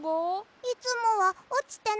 いつもはおちてないのに。